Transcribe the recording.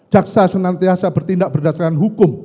jaksa senantiasa bertindak berdasarkan hukum